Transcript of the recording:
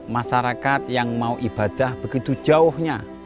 masyarakat yang mau ibadah begitu jauhnya